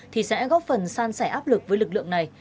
thì sẽ góp phần san sẻ áp lực với lực lượng này